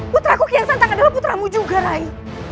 putraku kian santan adalah putramu juga rai